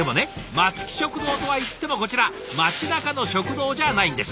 「松木食堂」とはいってもこちら街なかの食堂じゃないんです。